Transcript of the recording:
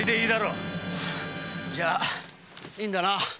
じゃいいんだな。